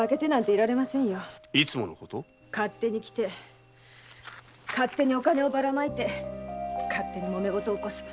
勝手に来て勝手にお金ばらまいて勝手にもめ事。